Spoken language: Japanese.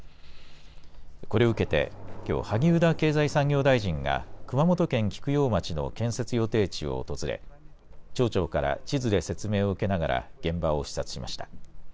これを受けて、きょう、萩生田経済産業大臣が熊本県菊陽町の建設予定地を訪れ、町長から地図で説明を受けながら、現場を視察しました。